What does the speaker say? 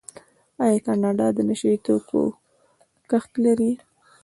آیا کاناډا د نشه یي توکو کښت لري؟